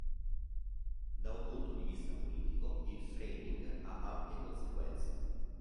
Da un punto di vista politico, il "framing" ha ampie conseguenze.